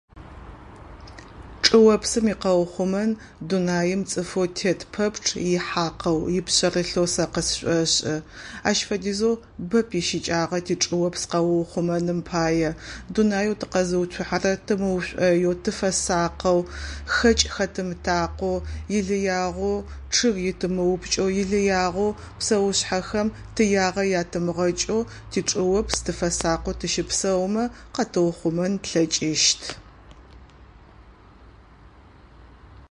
Чӏыопсым икъэухъумэн Дунаим цӏыфэу тет пэпчъ ихьакъэу, ипшъэрылъэу сэ къысшӏошӏы. Ащ фэдизэу бэп ищыкӏагъэр тичӏыопс къэуухъумэным пае. Дунаеу тыкъэзыуцухьэрэр тымыушӏоеу, тыфэсакъэу, хэкӏ хэтымытакъоу, илыягъэу чъыг итымыупкӏэу, илыягъэу псэушъхьэхэм тыягъэ ятымыгъэкӏэу тичӏыопс тыфэсакъэу тыщыпсэумэ къэтыухъумэн тлъэкӏыщт.